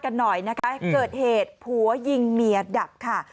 กันหน่อยนะคะเกิดเหตุผัวยิงเมียดับค่ะ